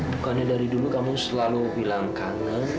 bukannya dari dulu kamu selalu bilang kangen